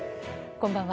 こんばんは。